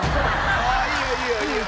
いいよいいよいいよ。